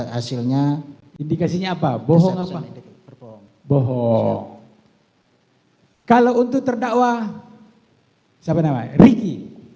hasilnya indikasinya apa bohong bohong kalau untuk terdakwa siapa nama ricky